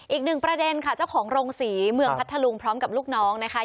อีกหนึ่งประเด็นค่ะเจ้าของโรงศรีเมืองพัทธลุงพร้อมกับลูกน้องนะคะ